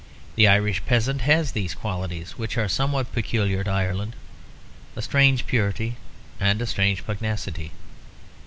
The Irish peasant has these qualities which are somewhat peculiar to Ireland, a strange purity and a strange pugnacity.